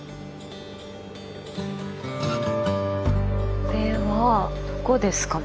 これはどこですかね？